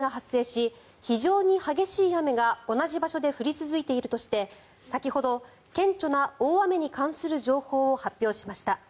気象庁は高知県で線状降水帯が発生し非常に激しい雨が同じ場所で降り続いているとして先ほど、顕著な大雨に関する情報を発表しました。